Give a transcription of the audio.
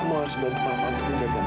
kamu harus bantu papa untuk menjaga mama